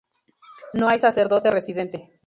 No hay sacerdote residente.